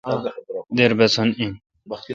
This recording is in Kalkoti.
دیر بی بھسن این